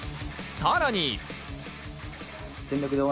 さらに。